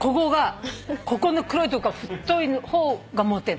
ここの黒いとこが太い方がモテる。